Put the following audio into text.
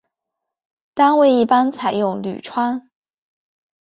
单位一般采用铝窗。